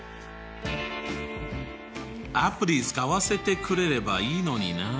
アプリ使わせてくれればいいのにな。